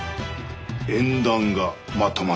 縁談がまとまったぞ。